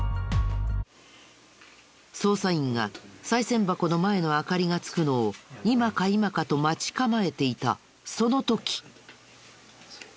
捜査員がさい銭箱の前の明かりがつくのを今か今かと待ち構えていたその時。